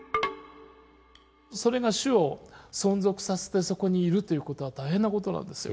それが種を存続させてそこにいるということは大変なことなんですよ。